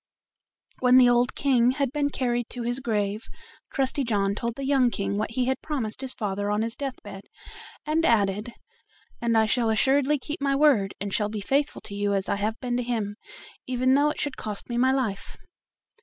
When the old King had been carried to his grave Trusty John told the young King what he had promised his father on his death bed, and added: "And I shall assuredly keep my word, and shall be faithful to you as I have been to him, even though it should cost me my life."